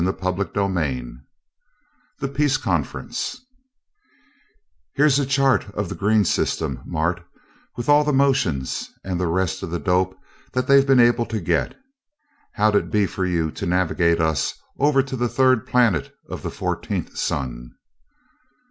CHAPTER VI The Peace Conference "Here's a chart of the green system, Mart, with all the motions and the rest of the dope that they've been able to get. How'd it be for you to navigate us over to the third planet of the fourteenth sun?"